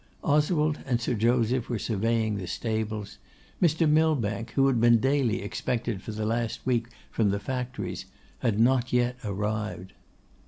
Oswald and Sir Joseph were surveying the stables; Mr. Millbank, who had been daily expected for the last week from the factories, had not yet arrived.